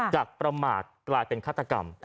ประมาทกลายเป็นฆาตกรรม